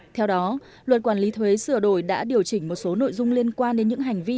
theo đó luật quản lý thuế sửa đổi đã điều chỉnh một số nội dung liên quan đến những hành vi